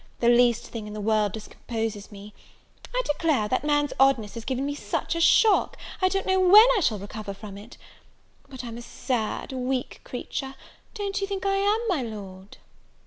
the least thing in the world discomposes me: I declare, that man's oddness has given me such a shock, I don't know when I shall recover from it. But I'm a sad, weak creature; don't you think I am, my Lord?"